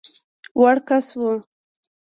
وړ کس وو.